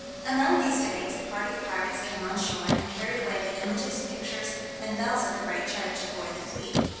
Among these debates a party of pirates came on shore, and carried away the images, pictures, and bells of the great church, aboard the fleet.